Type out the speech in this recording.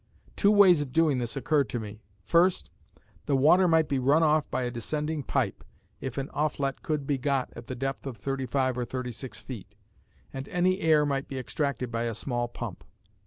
Two ways of doing this occurred to me. First, the water might be run off by a descending pipe, if an offlet could be got at the depth of thirty five or thirty six feet, and any air might be extracted by a small pump.